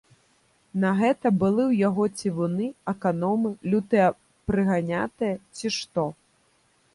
На гэта былы ў яго цівуны, аканомы, лютыя прыганятыя, ці што.